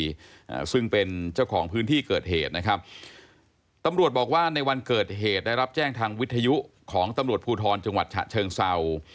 อ่าซึ่งเป็นเจ้าของพื้นที่เกิดเหตุนะครับตำรวจบอกว่าในวันเกิดเหตุได้รับแจ้งทางวิทยุของตำรวจภูทรจังหวัดฉะเชิงเศร้า